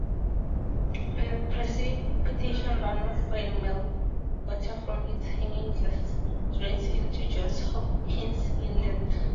Precipitation runoff and meltwater from its hanging glaciers drains into Johns Hopkins Inlet.